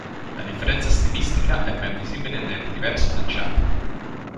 La differenza stilistica è ben visibile nelle diverse facciate.